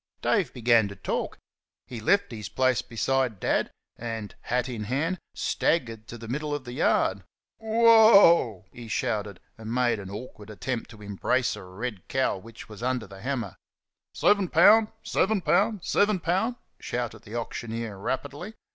Dave began to talk. He left his place beside Dad and, hat in hand, staggered to the middle of the yard. "WOH!" he shouted, and made an awkward attempt to embrace a red cow which was under the hammer. "SEV'N POUN' SEV'N POUN' SEV'N POUN'," shouted the auctioneer, rapidly.